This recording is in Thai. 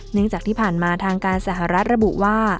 เนื่องจากที่ผ่านมาทางการสหรัฐระบุว่า